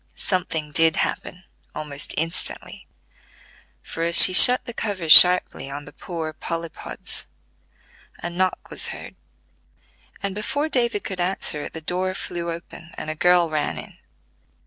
Something did happen almost instantly; for as she shut the cover sharply on the poor Polypods, a knock was heard, and before David could answer it the door flew open and a girl ran in.